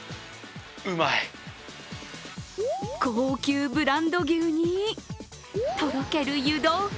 高級ブランド牛に、とろける湯豆腐。